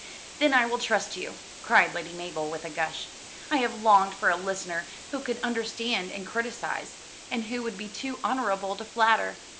"Then I will trust you!" cried Lady Mabel, with a gush. "I have longed for a listener who could understand and criticise, and who would be too honourable to flatter.